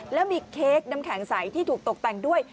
แล้วมีเค้กน้ำแข็งใสที่ถูกตกแต่งด้วย